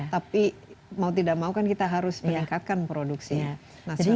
tapi mau tidak mau kan kita harus meningkatkan produksi nasional